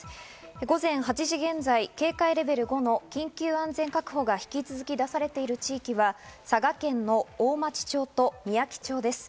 午前８時現在、警戒レベル５の緊急安全確保が引き続き出されている地域は、佐賀県の大町町とみやき町です。